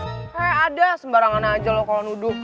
he ada sembarangan aja lu kalo nuduk